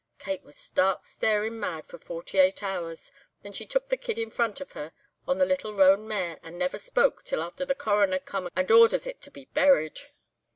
Kate was stark starin' mad for forty eight hours. Then she took the kid in front of her on the little roan mare, and never spoke till after the Coroner come and orders it to be buried.